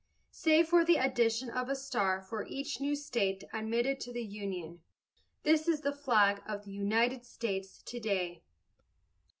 Save for the addition of a star for each new state admitted to the Union, this is the flag of the United States to day.